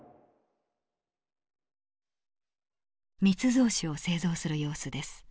密造酒を製造する様子です。